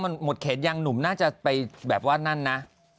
มันหมดเขตยังหนุ่มน่าจะไปแบบว่านั่นนะ